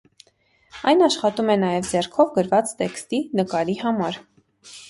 Այն աշխատում է նաև ձեռքով գրված տեքստի նկարի համար։